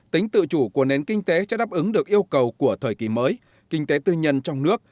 tính tự chủ của nền kinh tế cho đáp ứng được yêu cầu của thời kỳ mới kinh tế tư nhân trong nước